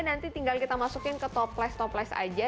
nanti tinggal kita masukin ke toples toples aja